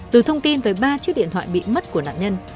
từ thông tin về ba chiếc điện thoại bị mất của nạn nhân